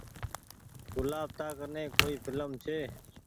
گلآب تا ڪني ڪوئي ڦلم ڇي۔